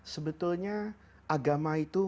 sebetulnya agama itu